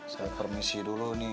saya permisi dulu nih